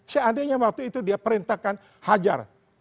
seandainya waktu itu dia perintahkan hajar